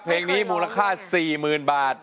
เพลงนี้มูลค่า๔๐๐๐บาท